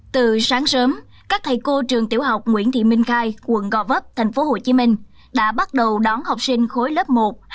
từ sáng sớm các thầy cô trường tiểu học nguyễn thị minh khai quận gò vấp tp hcm đã bắt đầu đón học sinh khối lớp một hai